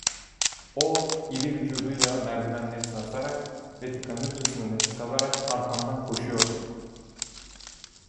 O, iri vücuduyla merdivenleri sarsarak ve tıkanırcasına nefes alarak arkamdan koşuyordu.